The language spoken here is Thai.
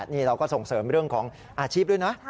นี่เราก็ส่งเสริมเรื่องของอาชีพด้วยนะ